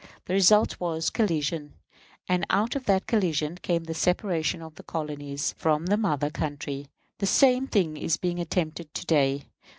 The result was, collision; and out of that collision came the separation of the colonies from the mother country. The same thing is being attempted to day.